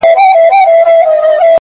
o خپله خوله هم کلا ده، هم بلا.